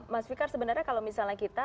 mas fikar sebenarnya kalau misalnya kita